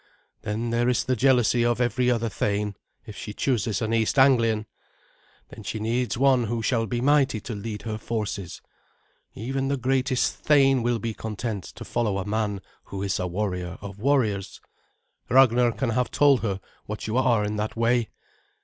Then there is the jealousy of every other thane, if she chooses an East Anglian. Then she needs one who shall be mighty to lead her forces. Even the greatest thane will be content to follow a man who is a warrior of warriors. Ragnar can have told her what you are in that way.